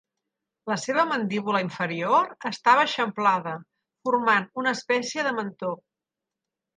La seva mandíbula inferior estava eixamplada, formant una espècie de mentó.